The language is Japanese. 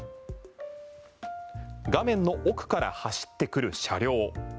画面の奥から走ってくる車両。